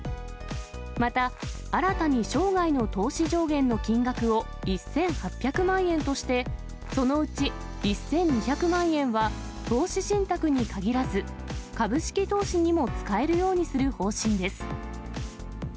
また、新たに生涯の投資上限の金額を１８００万円として、そのうち１２００万円は投資信託に限らず、株式投資にも使えるようにする方針です。